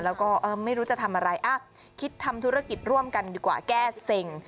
แล้วก็ไม่รู้จะทำอะไรคิดทำธุรกิจร่วมกันดีกว่าแก้เซ็ง